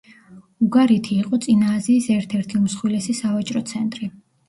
უგარითი იყო წინა აზიის ერთ-ერთი უმსხვილესი სავაჭრო ცენტრი.